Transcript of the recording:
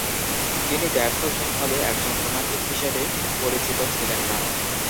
তিনি দ্ব্যর্থহীনভাবে একজন রোমান্টিক হিসাবে পরিচিত ছিলেন না।